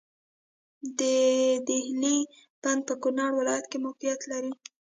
د دهلې بند په کوم ولایت کې موقعیت لري؟